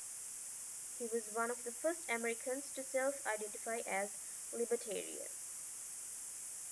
He was one of the first Americans to self-identify as "libertarian".